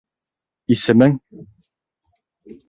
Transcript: Исемең?